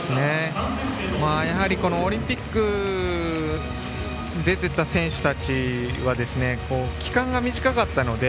やはりオリンピックに出てた選手たちは期間が短かったので。